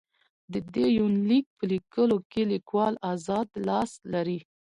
د دې يونليک په ليکلوکې ليکوال اذاد لاس لري.